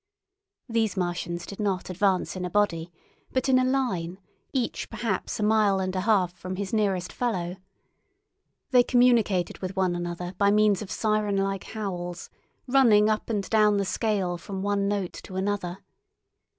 These Martians did not advance in a body, but in a line, each perhaps a mile and a half from his nearest fellow. They communicated with one another by means of sirenlike howls, running up and down the scale from one note to another.